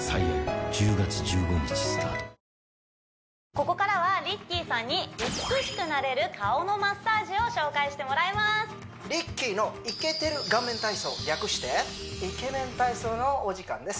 ここからはＲＩＣＫＥＹさんに美しくなれる顔のマッサージを紹介してもらいますＲＩＣＫＥＹの略してイケメン体操のお時間です